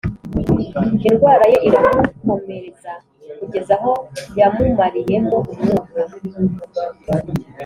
indwara ye iramukomereza kugeza aho yamumariyemo umwuka